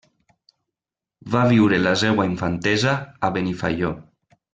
Va viure la seua infantesa a Benifaió.